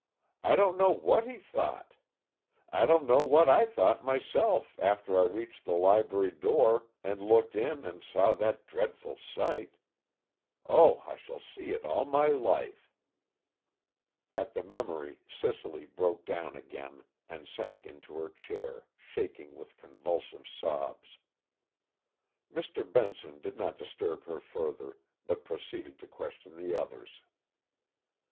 I don't know what he thought! I don't know what I thought myself after I reached the library door and looked in and saw that dreadful sight! Oh, I shall see it all my life!" At the memory Cicely broke down again and sank into her chair, shaking with convulsive sobs. Mr. Benson did not disturb her further, but proceeded to question the others.